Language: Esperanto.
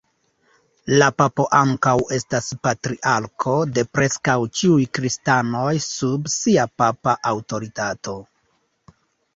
La papo ankaŭ estas patriarko de preskaŭ ĉiuj kristanoj sub sia papa aŭtoritato.